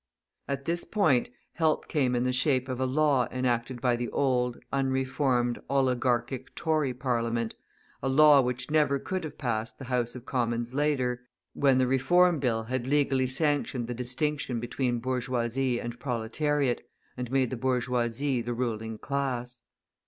At this point help came in the shape of a law enacted by the old, unreformed, oligarchic Tory parliament, a law which never could have passed the House of Commons later, when the Reform Bill had legally sanctioned the distinction between bourgeoisie and proletariat, and made the bourgeoisie the ruling class.